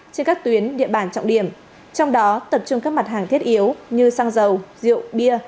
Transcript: trên các tuyến địa bàn trọng điểm trong đó tập trung các mặt hàng thiết yếu như xăng dầu rượu bia